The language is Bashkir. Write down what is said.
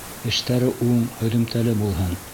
Эштәре уң, һөҙөмтәле булһын!